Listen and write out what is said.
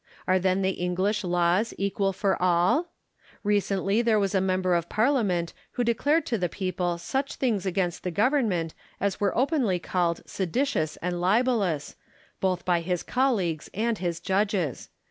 Are then the English laws equal for all % Recently there was a member of Parliament who declared to the people such things against the Govern ment as were openly called seditious and libellous, both by his colleagues and his judges.